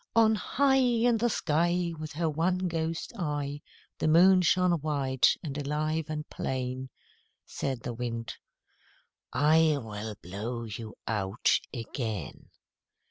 On high In the sky With her one ghost eye, The Moon shone white and alive and plain. Said the Wind "I will blow you out again."